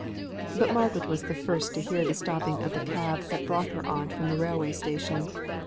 But Margaret was the first to hear the stopping of the cab that brought her aunt from the railway station.